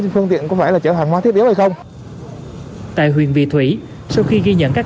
phương tiện có phải là chở hàng hóa thiết yếu hay không tại huyện vị thủy sau khi ghi nhận các